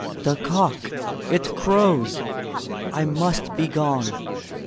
" The cock it crows — I must be gone!